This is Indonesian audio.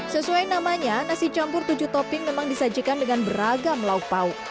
sesuai namanya nasi campur tujuh topping memang disajikan dengan beragam lauk pauk